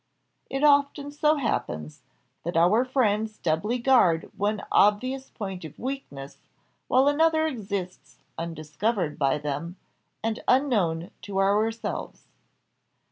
It often so happens, that our friends doubly guard one obvious point of weakness, while another exists undiscovered by them, and unknown to ourselves.